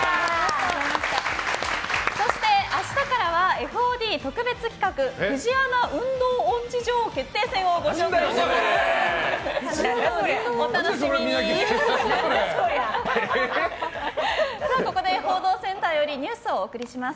そして明日からはＦＯＤ特別企画「フジアナ運動音痴女王決定戦」お届けします。